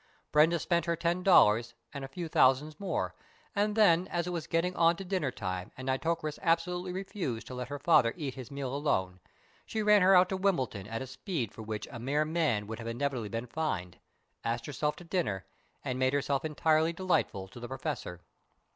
Brenda spent her ten dollars and a few thousands more, and then, as it was getting on to dinner time and Nitocris absolutely refused to let her father eat his meal alone, she ran her out to Wimbledon at a speed for which a mere man would have inevitably been fined, asked herself to dinner, and made herself entirely delightful to the Professor.